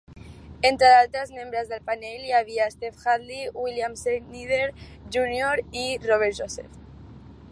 Entre d'altres membres del panel hi havia Stephen Hadley, William Schneider, Junior i Robert Joseph.